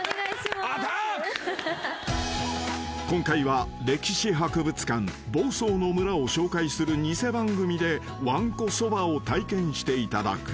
［今回は歴史博物館房総のむらを紹介する偽番組でわんこそばを体験していただく］